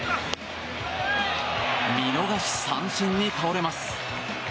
見逃し三振に倒れます。